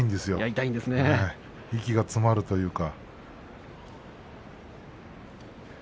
息が詰まるというか。